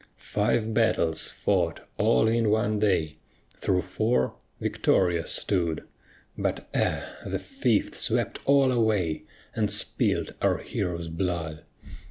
Five battles fought all in one day, Through four victorious stood, But ah! the fifth swept all away, And spilt our heroes' blood.